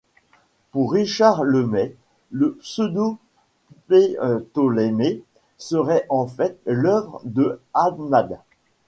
Pour Richard Lemay, le pseudo-Ptolémée serait en fait l'œuvre de Ahmad.